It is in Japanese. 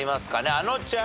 あのちゃん。